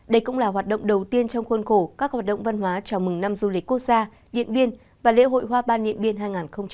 đây cũng là hoạt động đầu tiên trong khuôn khổ các hoạt động văn hóa chào mừng năm du lịch quốc gia điện biên và lễ hội hoa ban điện biên hai nghìn hai mươi bốn